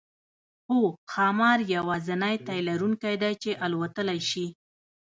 هو ښامار یوازینی تی لرونکی دی چې الوتلی شي